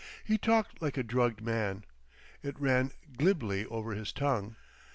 He talked like a drugged man. It ran glibly over his tongue.